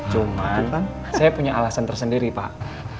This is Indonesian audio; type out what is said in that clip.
cuman kan saya punya alasan tersendiri pak